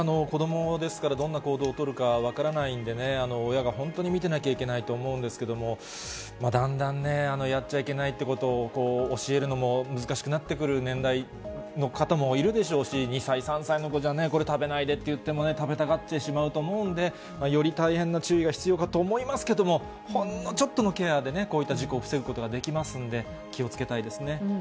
子どもですから、どんな行動を取るか分からないんでね、親が本当に見てなきゃいけないと思うんですけれども、だんだんね、やっちゃいけないっていうことを教えるのも難しくなってくる年代の方もいるでしょうし、２歳、３歳の子じゃね、これ、食べないでって言ってもね、食べたがってしまうと思うんで、より大変な注意が必要かと思いますけども、ほんのちょっとのケアでね、こういった事故を防ぐことができますんで、気をつけたいですね。